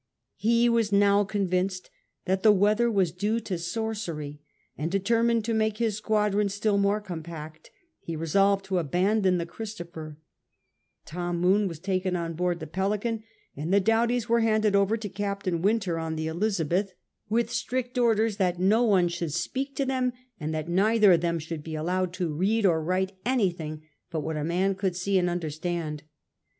He was now convinced that the weather was due to sorcery, and, determined to make his squadron still more compact, he resolved to abandon the Christopher, Tom Moone was taken on board the Pelican, and the Doughties were handed over to Captain Wynter on the Elizabeth^ with V WITCHES' WEATHER 71 strict orders that no one should speak to them, and that neither of them should be allowed to read or write any thing but what a man could see and understand.